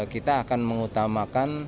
kita akan mengutamakan